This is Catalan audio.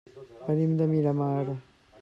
Venim de Miramar.